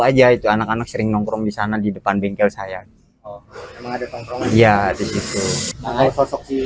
aja itu anak anak sering nongkrong di sana di depan bengkel saya oh ya di situ sosok si